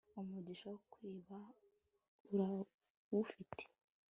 umugisha wo kwiba arawufite